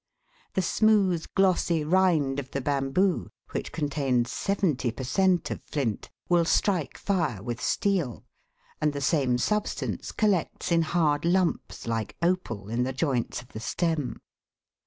The smooth glossy rind of the bamboo, which contains 70 per cent, of flint, will strike fire with steel, and the same substance collects in hard lumps like opal in the joints of the stem.